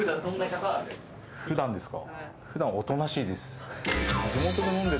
普段ですか？